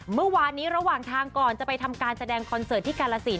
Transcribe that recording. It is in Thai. เมื่อวานนี้ระหว่างทางก่อนจะไปทำการแสดงคอนเสิร์ตที่กาลสิน